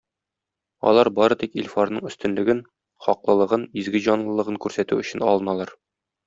Алар бары тик Илфарның өстенлеген, хаклылыгын, "изге җанлылыгын" күрсәтү өчен алыналар.